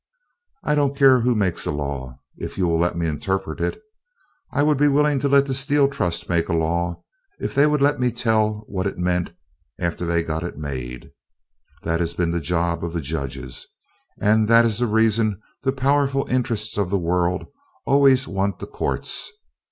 I don't care who makes a law, if you will let me interpret it. I would be willing to let the Steel Trust make a law if they would let me tell what it meant after they got it made. That has been the job of the judges, and that is the reason the powerful interests of the world always want the courts.